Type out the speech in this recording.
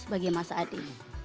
bagi mas adi